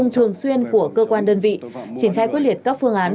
cơ quan đơn vị triển khai quyết liệt các phương án